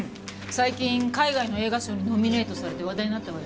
最近海外の映画賞にノミネートされて話題になったわよね。